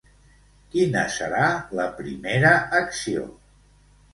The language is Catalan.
Quina serà la primera acció?